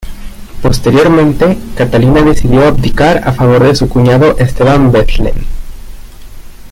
Posteriormente, Catalina decidió abdicar a favor de su cuñado Esteban Bethlen.